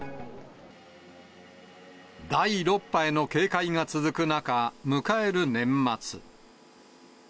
第６波への警戒が続く中、迎える年末。